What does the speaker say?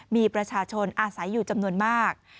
มีประชาชนอาศัยอยู่จำนวนมาก